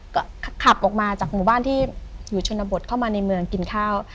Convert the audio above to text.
ก็ขับออกมาจากหมู่บ้านที่อยู่ชนบทเข้ามาในเมืองกินข้าว